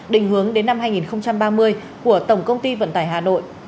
định hướng đến năm hai nghìn ba mươi của tổng công ty vận tải hà nội